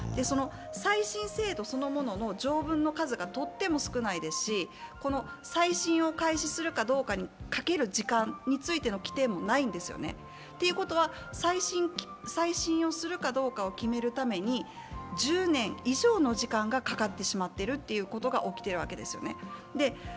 再審制度そのものの条文の数がとっても少ないですし、再審を開始するかどうかにかける時間についての規定もないんです。ということは、再審をするかどうかを決めるために１０年以上の時間がかかってしまっているということが起きているわけですね。